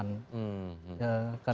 yang diperlukan oleh bbm